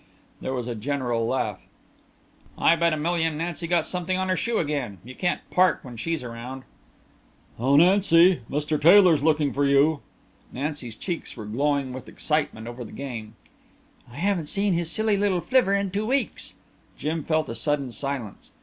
There was a general laugh. "I bet a million Nancy got something on her shoe again. You can't park when she's around." "O Nancy, Mr. Taylor's looking for you!" Nancy's cheeks were glowing with excitement over the game. "I haven't seen his silly little flivver in two weeks." Jim felt a sudden silence.